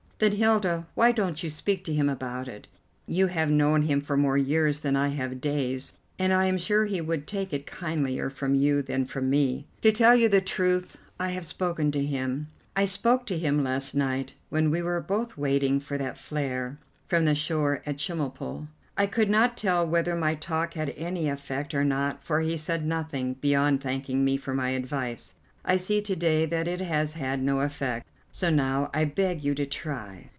"Then, Hilda, why don't you speak to him about it? You have known him for more years than I have days, and I am sure he would take it kindlier from you than from me." "To tell you the truth, I have spoken to him. I spoke to him last night when we were both waiting for that flare from the shore at Chemulpo. I could not tell whether my talk had any effect or not, for he said nothing, beyond thanking me for my advice. I see to day that it has had no effect. So now I beg you to try."